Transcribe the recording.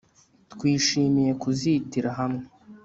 Twishimiye kuzitira hamwe